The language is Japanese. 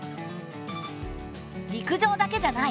陸上だけじゃない。